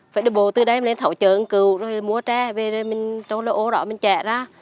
phải đi bộ từ đấy mình lại thảo chờ ứng cựu rồi mua trẻ về rồi mình trong lỗ đó mình chạy ra